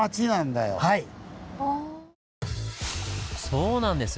そうなんです！